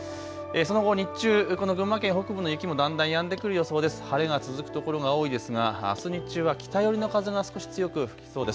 その後、日中、群馬県北部の雪もだんだんやんでくる予想です。